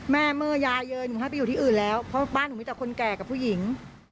เมื่อยายเยอะหนูให้ไปอยู่ที่อื่นแล้วเพราะบ้านหนูมีแต่คนแก่กับผู้หญิง